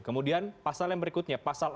kemudian pasal yang berikutnya pasal empat